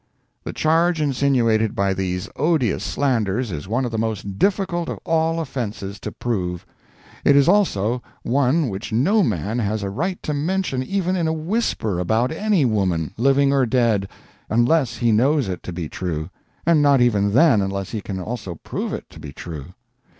The charge insinuated by these odious slanders is one of the most difficult of all offenses to prove; it is also one which no man has a right to mention even in a whisper about any woman, living or dead, unless he knows it to be true, and not even then unless he can also prove it to be true.